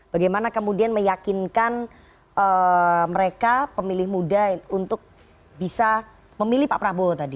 bagaimana kemudian meyakinkan mereka pemilih muda untuk bisa memilih pak prabowo tadi